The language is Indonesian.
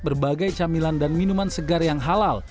berbagai camilan dan minuman segar yang halal